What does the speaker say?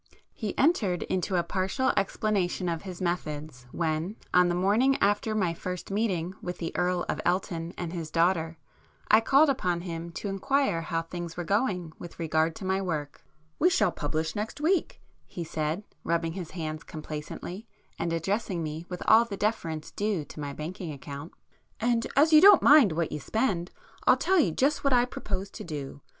He entered into a partial explanation of his methods, when, on the morning after my first meeting with the Earl of Elton and his daughter, I called upon him to inquire how things were going with regard to my book. "We shall publish next week,"—he said, rubbing his hands complacently, and addressing me with all the deference due to my banking account—"And as you don't mind what you spend, I'll tell you just what I propose to do.